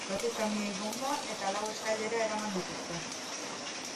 Zortzi kamioi-bonba eta lau eskailera eraman dituzte.